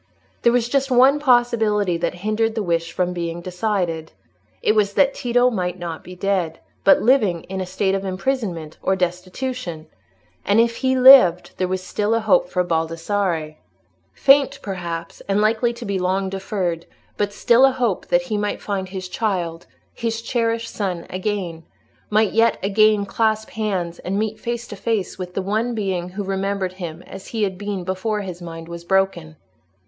There was just one possibility that hindered the wish from being decided: it was that Tito might not be dead, but living in a state of imprisonment or destitution; and if he lived, there was still a hope for Baldassarre—faint, perhaps, and likely to be long deferred, but still a hope, that he might find his child, his cherished son again; might yet again clasp hands and meet face to face with the one being who remembered him as he had been before his mind was broken.